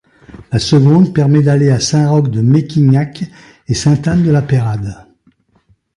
La seconde permet d'aller à Saint-Roch-de-Mékinac et Sainte-Anne-de-la-Pérade.